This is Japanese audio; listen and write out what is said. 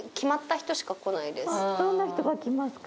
どんな人が来ますか？